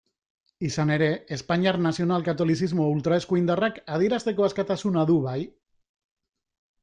Izan ere, espainiar nazional-katolizismo ultraeskuindarrak adierazteko askatasuna du, bai.